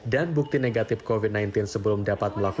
dan bukti negatif covid sembilan belas sebelum dapat melakukan